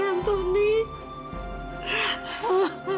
eyang ada di sini sayang